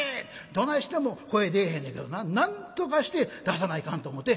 どないしても声出えへんのやけどななんとかして出さないかんと思うて声出したんや」。